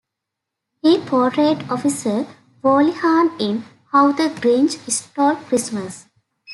He portrayed Officer Wholihan in "How the Grinch Stole Christmas".